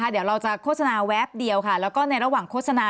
เดี๋ยวเราจะโฆษณาแวบเดียวค่ะแล้วก็ในระหว่างโฆษณา